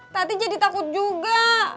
tati jadi takut juga